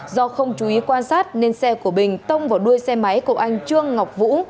do không chú ý quan sát nên xe của bình tông vào đuôi xe máy của anh trương ngọc vũ